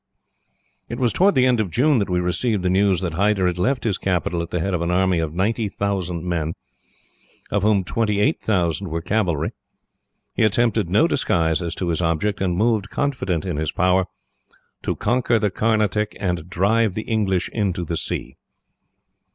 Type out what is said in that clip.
"It was towards the end of June that we received the news that Hyder had left his capital at the head of an army of ninety thousand men, of whom twenty eight thousand were cavalry. He attempted no disguise as to his object, and moved, confident in his power, to conquer the Carnatic and drive the English into the sea.